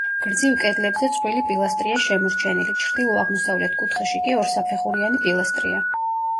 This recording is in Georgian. გრძივ კედლებზე წყვილი პილასტრია შემორჩენილი, ჩრდილო-აღმოსავლეთ კუთხეში კი ორსაფეხურიანი პილასტრია.